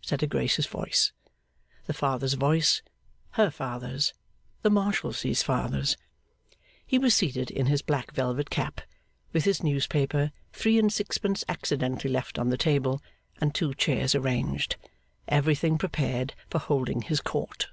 said a gracious voice. The Father's voice, her father's, the Marshalsea's father's. He was seated in his black velvet cap, with his newspaper, three and sixpence accidentally left on the table, and two chairs arranged. Everything prepared for holding his Court.